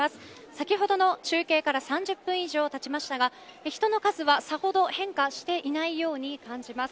先ほどの中継から３０分以上たちましたが人の数は、さほど変化していないように感じます。